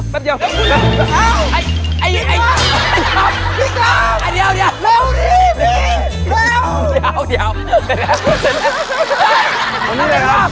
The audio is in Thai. พี่กัมเจ็ดทีนี้เร็ว